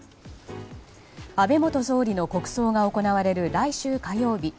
安倍元総理の国葬が行われる来週火曜日